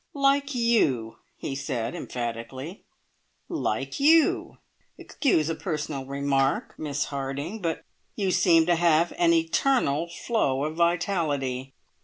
"Like you!" he said emphatically, "like you! Excuse a personal remark, Miss Harding, but you seem to have an eternal flow of vitality.